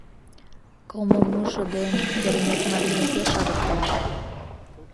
Кылмымужо ден Керемет марийым пеш авыркалат.